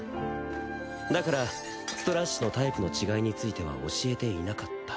だからストラッシュのタイプの違いについては教えていなかった。